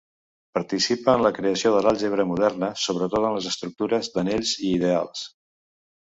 Participa en la creació de l'àlgebra moderna, sobretot en les estructures d'anells i ideals.